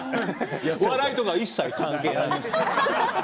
笑いとか一切関係ない。